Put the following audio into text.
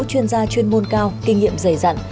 chuyên gia chuyên môn cao kinh nghiệm dày dặn